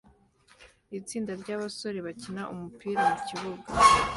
Itsinda ryabasore bakina umupira mukibuga